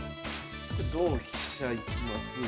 同飛車いきます。